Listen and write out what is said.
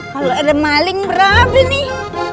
kalau ada maling berapa nih